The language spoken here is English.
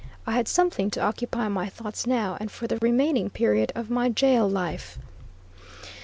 I had something to occupy my thoughts now, and for the remaining period of my jail life.